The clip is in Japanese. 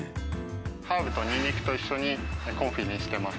ハーブとニンニクと一緒にコンフィにしています。